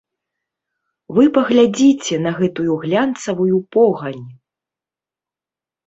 Вы паглядзіце на гэтую глянцаваную погань.